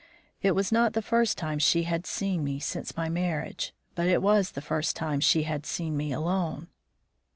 It was not the first time she had seen me since my marriage, but it was the first time she had seen me alone.